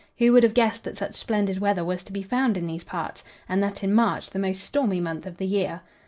Who would have guessed that such splendid weather was to be found in these parts? and that in March, the most stormy month of the year.